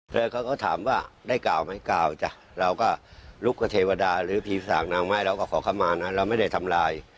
แล้วเขาก็ถามว่าได้กล่าวไหมกล่าวจ้ะเราก็ลุกกับเทวดาหรือผีสากนางไม้เราก็ขอเข้ามานะเราไม่ได้ทำลาย